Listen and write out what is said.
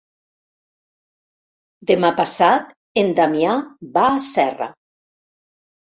Demà passat en Damià va a Serra.